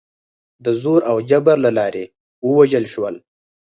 د زور او جبر له لارې ووژل شول.